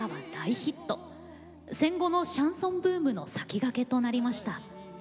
戦後のシャンソンブームの先駆けとなりました。